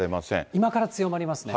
今から強まりますね。